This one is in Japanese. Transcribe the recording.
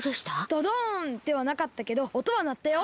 ドドンではなかったけどおとはなったよ。